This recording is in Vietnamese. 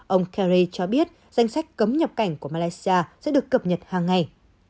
ông karey cho biết danh sách cấm nhập cảnh của malaysia sẽ được cập nhật hàng ngày